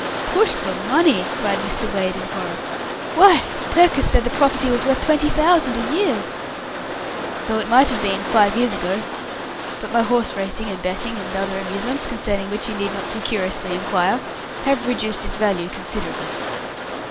"Pushed for money!" cried Mr. Wade, in horror. "Why, Purkiss said the property was worth twenty thousand a year." "So it might have been five years ago but my horse racing, and betting, and other amusements, concerning which you need not too curiously inquire, have reduced its value considerably."